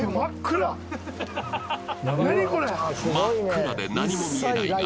［真っ暗で何も見えないが］